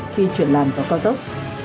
khi chuyển làm vào cao tốc